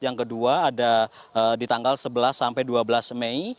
yang kedua ada di tanggal sebelas sampai dua belas mei